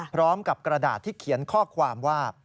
พร้อมกับกระดาษที่เขียนข้อความว่า